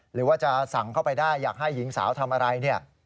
หรือว่าจะสั่งเข้าไปได้อยากให้หญิงสาวทำอะไรเนี่ย